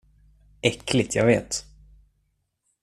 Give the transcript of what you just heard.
Äckligt, jag vet.